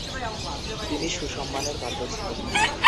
তিনি সুসম্মানের পাত্র ছিলেন।